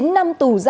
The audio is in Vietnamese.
chín năm tù gia